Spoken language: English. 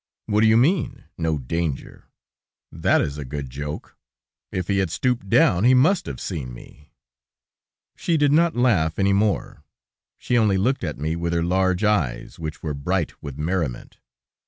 "What do you mean? ... No danger? That is a good joke! ... If he had stooped down, he must have seen me." She did not laugh any more; she only looked at me with her large eyes, which were bright with merriment.